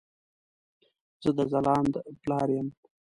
زه د ځلاند پلار يم